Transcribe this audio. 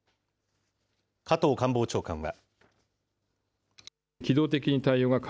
加藤官房長官は。